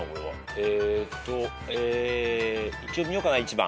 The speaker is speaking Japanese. えーっと一応見ようかな１番。